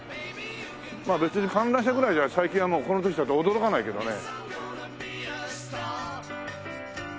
まあ別に観覧車ぐらいじゃ最近はもうこの年だと驚かないけどね。